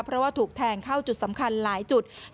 เพราะว่าถูกแทงเข้าจุดสำคัญหลายจุด